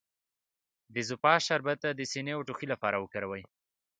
د زوفا شربت د سینې او ټوخي لپاره وکاروئ